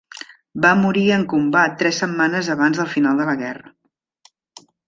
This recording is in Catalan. Va morir en combat tres setmanes abans del final de la guerra.